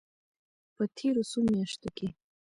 په تېرو څو میاشتو کې